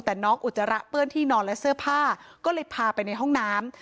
แต่น้องอุจจาระเปื้อนที่นอนและเสื้อผ้าก็เลยพาไปในห้องน้ำ